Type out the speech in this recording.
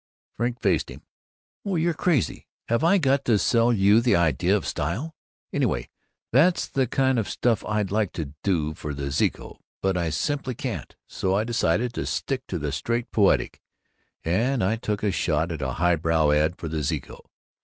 Frink faced him: "Oh, you're crazy! Have I got to sell you the idea of Style? Anyway, that's the kind of stuff I'd like to do for the Zeeco. But I simply can't. So I decided to stick to the straight poetic, and I took a shot at a highbrow ad for the Zeeco.